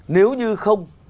nếu như không